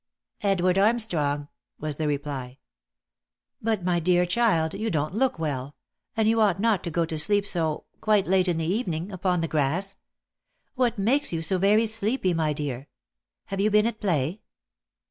" Edward Armstrong," was the reply. " But, my dear child, you don't look well, and you ought not to go to sleep so, quite late in the evening, upon the grass. What enakes you so very sleepy, my dear ? Have you been at play?"